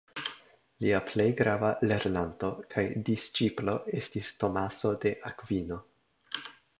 Lia plej grava lernanto kaj disĉiplo estis Tomaso de Akvino.